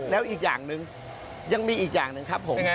แล้วอีกอย่างหนึ่งยังมีอีกอย่างหนึ่งครับผม